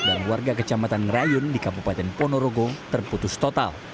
dan warga kecamatan ngerayun di kabupaten ponorogong terputus total